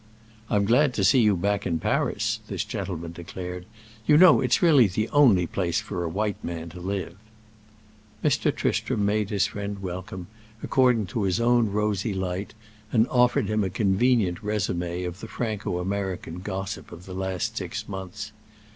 "I'm glad to see you back in Paris," this gentleman declared. "You know it's really the only place for a white man to live." Mr. Tristram made his friend welcome, according to his own rosy light, and offered him a convenient résumé of the Franco American gossip of the last six months.